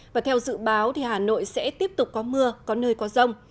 và theo dự báo hà nội sẽ tiếp tục có mưa có nơi có rông